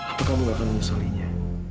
apa kamu nggak akan menyesalinya